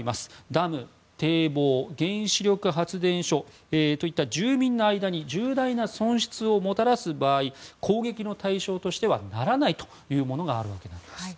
ダム、堤防、原子力発電所といった住民の間に重大な損失をもたらす場合攻撃の対象としてはならないというものがあるわけです。